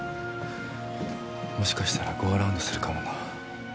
もしかしたらゴーアラウンドするかもな。